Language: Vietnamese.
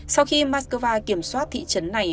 sau khi moscow kiểm soát thị trấn này